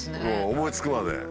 思いつくまで。